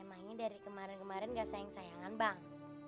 emangnya dari kemarin kemarin gak saing sayangan bang